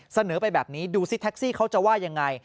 เสนอไปแบบนี้ดูสิแท็กซี่เขาจะว่ายังไง